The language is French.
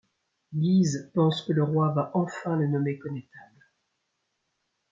Guise pense que le roi va enfin le nommer connétable.